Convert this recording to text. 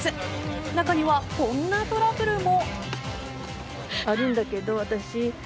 中には、こんなトラブルも。